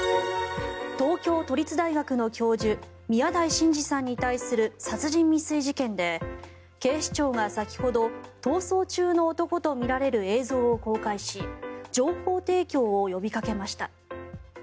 東京都立大学の教授宮台真司さんに対する殺人未遂事件で警視庁が先ほど逃走中の男とみられる映像を公開し情報提供を呼びかけました。